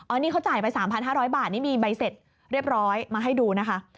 อันนี้เขาจ่ายไป๓๕๐๐บาทนี่มีใบเสร็จเรียบร้อยมาให้ดูนะคะ